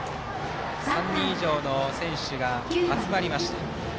３人以上の選手が集まりました。